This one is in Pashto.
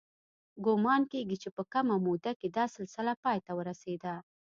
ګومان کېږي چې په کمه موده کې دا سلسله پای ته ورسېده